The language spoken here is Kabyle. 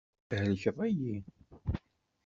Thelkeḍ-iyi.